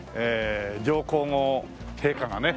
上皇后陛下がね